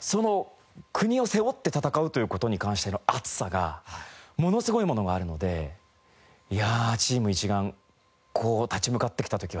その国を背負って戦うという事に関しての熱さがものすごいものがあるのでいやあチーム一丸こう立ち向かってきた時は相当強力です。